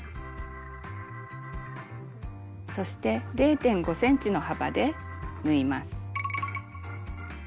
そして０．５ｃｍの幅で縫います。